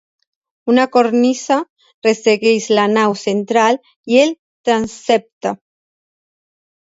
Una cornisa ressegueix la nau central i el transsepte.